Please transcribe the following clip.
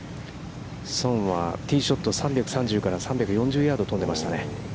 宋はティーショット、３３０から３４０ヤード飛んでましたね。